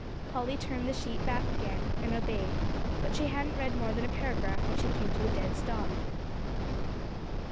Polly turned the sheet back again, and obeyed. But she hadn't read more than a paragraph when she came to a dead stop.